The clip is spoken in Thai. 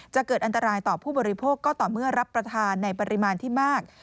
จะเกิดอันตรายต่อผู้บริโภคก็ต่อเมื่อรับประทานในปริมาณที่มาก